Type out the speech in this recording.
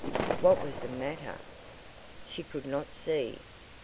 what was the matter? She could not see!